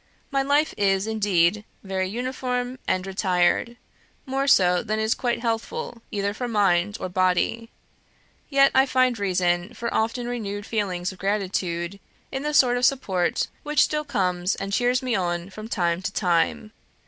My life is, indeed, very uniform and retired more so than is quite healthful either for mind or body; yet I find reason for often renewed feelings of gratitude, in the sort of support which still comes and cheers me on from time to time.